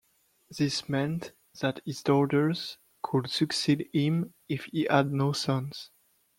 This meant that his daughters could succeed him if he had no sons.